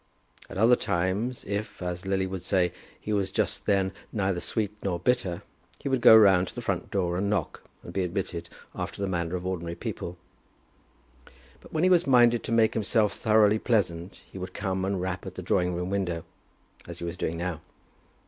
At other times, if, as Lily would say, he was just then neither sweet nor bitter, he would go round to the front door and knock, and be admitted after the manner of ordinary people; but when he was minded to make himself thoroughly pleasant he would come and rap at the drawing room window, as he was doing now.